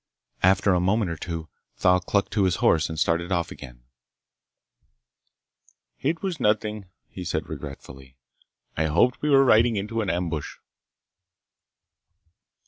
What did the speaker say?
After a moment or two Thal clucked to his horse and started off again. "It was nothing," he said regretfully. "I hoped we were riding into an ambush."